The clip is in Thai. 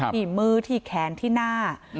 ที่มือที่แขนที่หน้า